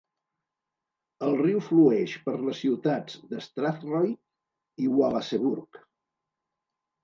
El riu flueix per les ciutats d"Strathroy i Wallaceburg.